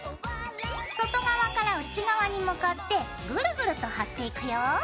外側から内側に向かってグルグルと貼っていくよ。